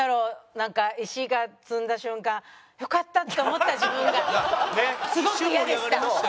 なんか石が積んだ瞬間よかったって思った自分がすごく嫌でした。